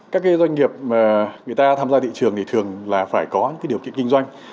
các doanh nghiệp mà người ta tham gia thị trường thì thường là phải có những điều kiện kinh doanh